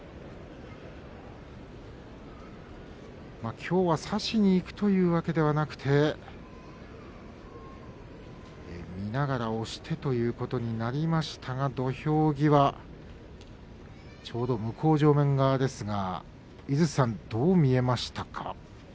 きょうは差しにいくというわけではなくて見ながら押してということになりましたが土俵際ちょうど向正面側ですが井筒さん、どう見えましたか。